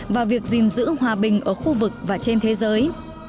và việc gìn giữ hòa bình ở khu vực và trên thế giới